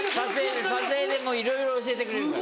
撮影でもういろいろ教えてくれるから。